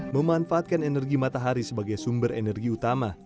memanfaatkan energi matahari sebagai sumber energi utama